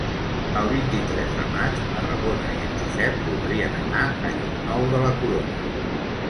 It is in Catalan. El vint-i-tres de maig na Ramona i en Josep voldrien anar a Llocnou de la Corona.